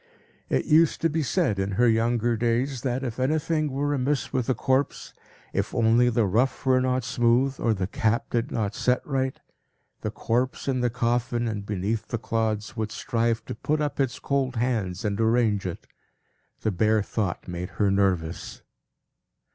It used to be said, in her younger days, that, if anything were amiss with a corpse, if only the ruff were not smooth, or the cap did not set right, the corpse, in the coffin and beneath the clods, would strive to put up its cold hands and arrange it. The bare thought made her nervous.